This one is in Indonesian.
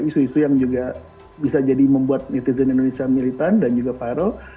isu isu yang juga bisa jadi membuat netizen indonesia militan dan juga viral